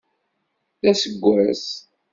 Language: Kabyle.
D aseggas.